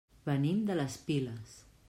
Venim de les Piles.